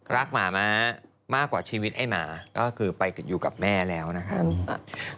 หมาม้ามากกว่าชีวิตไอ้หมาก็คือไปอยู่กับแม่แล้วนะครับ